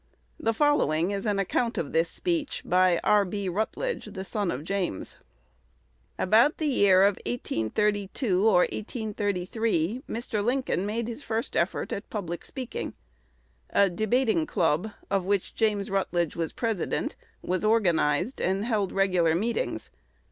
The following is an account of this speech by R. B. Rutledge, the son of James: "About the year 1832 or 1833, Mr. Lincoln made his first effort at public speaking. A debating club, of which James Rutledge was president, was organized, and held regular meetings.